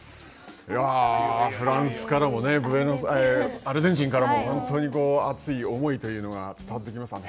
フランスからもアルゼンチンからも本当に熱い思いというのが伝わってきましたね。